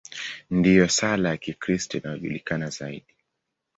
Ndiyo sala ya Kikristo inayojulikana zaidi.